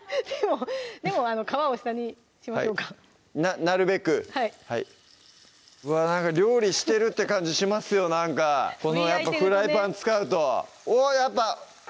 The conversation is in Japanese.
でも皮を下にしましょうかなるべくはいなんか料理してるって感じしますよなんかフライパン使うとおっやっぱ！